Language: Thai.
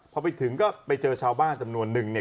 พอไปถึงก็ไปเจอชาวบ้านจำนวนนึงเนี่ย